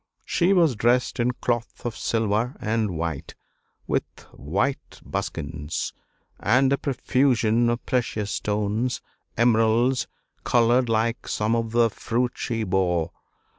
She was dressed in cloth of silver and white, with white buskins, and a profusion of precious stones emeralds, colored like some of the fruit she bore.